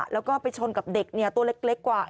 แล้วก็ไปชนกับเด็กตัวเล็กกว่า